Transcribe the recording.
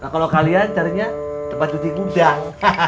kalau kalian carinya tempat cuci gudang